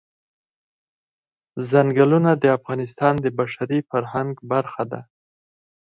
ځنګلونه د افغانستان د بشري فرهنګ برخه ده.